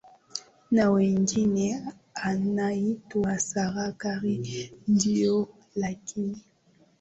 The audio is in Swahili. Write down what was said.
na mwengine anaitwa serah kari ndio lakini